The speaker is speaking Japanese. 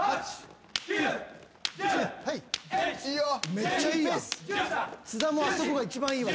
めっちゃいいやん。